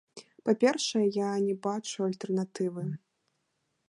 Па-першае, я не бачу альтэрнатывы.